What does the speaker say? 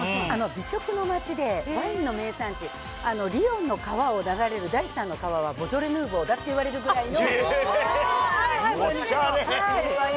美食の街でワインの名産地、リヨンの川を流れる第３の川はボージョレ・ヌーボーだっていわれおしゃれ。